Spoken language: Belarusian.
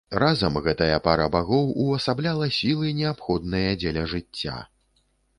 Разам гэтая пара багоў увасабляла сілы, неабходныя дзеля жыцця.